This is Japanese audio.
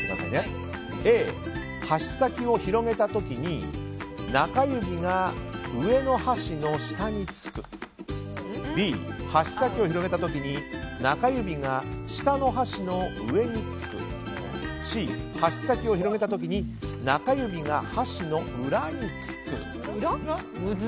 Ａ、箸先を広げた時に中指が上の箸の下につくＢ、箸先を広げた時に中指が下の箸の上につくＣ、箸先を広げた時に中指が箸の裏につく。